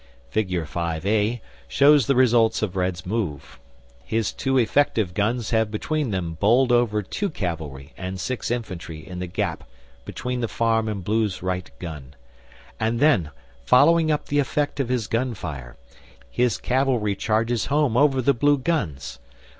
Figure 5a shows the result of Red's move. His two effective guns have between them bowled over two cavalry and six infantry in the gap between the farm and Blue's right gun; and then, following up the effect of his gunfire, his cavalry charges home over the Blue guns.